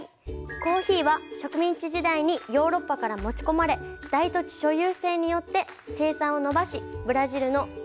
コーヒーは植民地時代にヨーロッパから持ち込まれ大土地所有制によって生産を伸ばしブラジルの主要産業になりました。